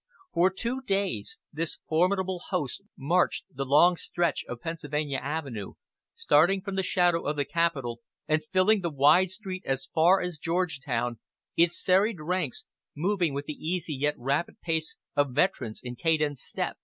For two days this formidable host marched the long stretch of Pennsylvania Avenue, starting from the shadow of the Capitol and filling the wide street as far as Georgetown, its serried ranks moving with the easy yet rapid pace of veterans in cadence step.